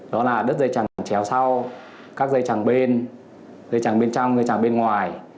đó là đứt dây chẳng chéo sau các dây chẳng bên dây chẳng bên trong dây chẳng bên ngoài